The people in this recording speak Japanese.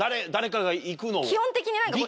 基本的に。